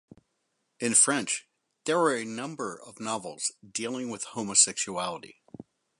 In French there are a number of novels dealing with homosexuality.